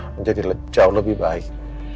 menjadi jauh lebih baik